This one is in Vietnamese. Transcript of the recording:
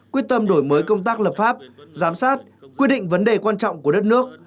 quyết tâm đổi mới công tác lập pháp giám sát quyết định vấn đề quan trọng của đất nước